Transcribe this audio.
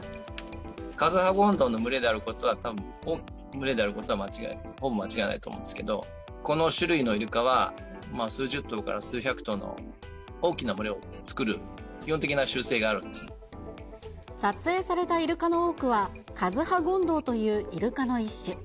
カズハゴンドウの群れであることはたぶん、群れであることはほぼ間違いないと思うんですけど、この種類のイルカは、数十頭から数百頭の大きな群れを作る基本的撮影されたイルカの多くは、カズハゴンドウというイルカの一種。